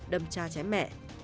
đâm cha chém mẹ